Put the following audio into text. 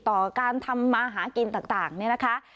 ต่อการทำมาหากินต่างเนี่ยนะคะ